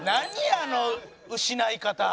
あの失い方。